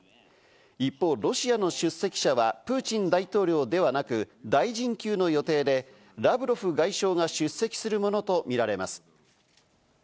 一方、ロシアの出席者はプーチン大統領ではなく、大臣級の予定でラブロフ外相が出席するものとみられます。